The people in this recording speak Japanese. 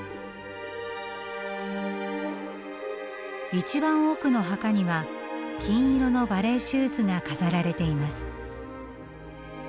一番奥の墓には金色のバレエシューズが飾られています。